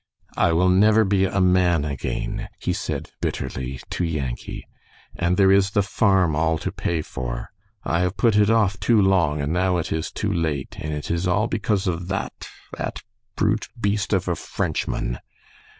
"I will never be a man again," he said, bitterly, to Yankee. "And there is the farm all to pay for. I have put it off too long and now it is too late, and it is all because of that that brute beast of a Frenchman."